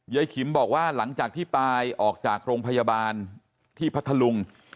ขิมบอกว่าหลังจากที่ปายออกจากโรงพยาบาลที่พัทธลุง